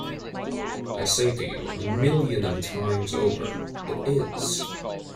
I say to you, a million of times over, it is.